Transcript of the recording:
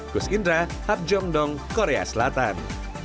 gus indra habjongdong korea selatan